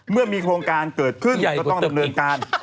เมื่อมีโครงการเกิดขึ้นก็ต้องดำเนินการ